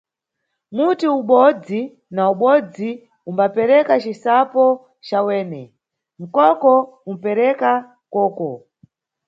Muti ubodzi na ubodzi umbapereka cisapo cawene, nkoko umʼpereka koko.